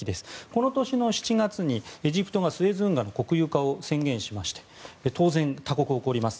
この年の７月にエジプトがスエズ運河の国有化を宣言して当然、他国は怒ります。